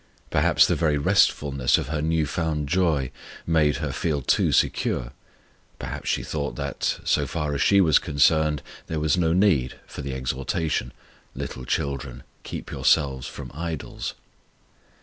Perhaps the very restfulness of her new found joy made her feel too secure: perhaps she thought that, so far as she was concerned, there was no need for the exhortation, "Little children, keep yourselves from idols."